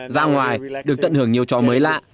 ra ngoài được tận hưởng nhiều trò mới lạ